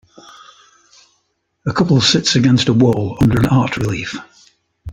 A couple sits against a wall, under an art relief.